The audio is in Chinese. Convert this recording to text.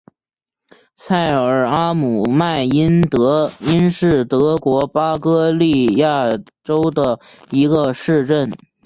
蔡尔阿姆迈因是德国巴伐利亚州的一个市镇。